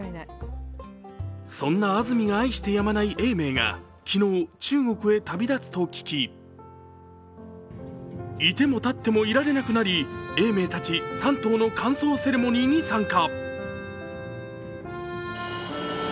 そんな安住が愛してやまない永明が昨日、中国へ旅立つと聞き、いてもたってもいられなくなり、永明たち３頭の歓送セレモニーに参加。